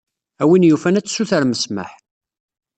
A win yufan ad tessutrem ssmaḥ.